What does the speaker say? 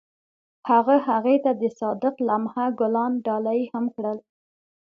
هغه هغې ته د صادق لمحه ګلان ډالۍ هم کړل.